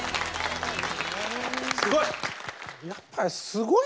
すごい！